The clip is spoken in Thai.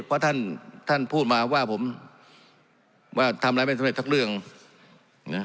เพราะท่านท่านพูดมาว่าผมว่าทำอะไรไม่สำเร็จทั้งเรื่องนะ